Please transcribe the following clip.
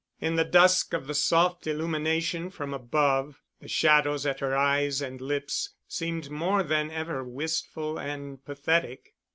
In the dusk of the soft illumination from above, the shadows at her eyes and lips seemed more than ever wistful and pathetic.